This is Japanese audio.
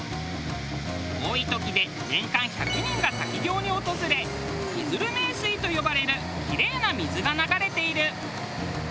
多い時で年間１００人が滝行に訪れいづる名水と呼ばれるキレイな水が流れている。